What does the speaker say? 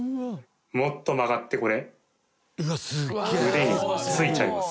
もっと曲がってこれ腕についちゃいます。